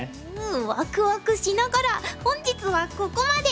ワクワクしながら本日はここまで！